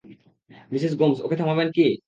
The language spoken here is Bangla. মিসেস গোমস, ওকে থামাবেন কি?